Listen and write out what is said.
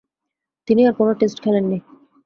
তিনি আর কোন টেস্ট খেলেননি।